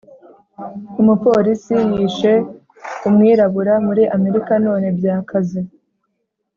Umupolisi yishe umwirabura muri amerika none byakaze